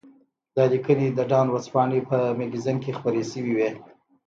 دا لیکنې د ډان ورځپاڼې په مګزین کې خپرې شوې وې.